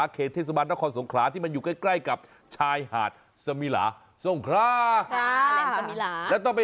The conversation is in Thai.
แล้วต้องไปถ่ายรูปกับอะไร